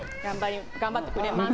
頑張ってくれます。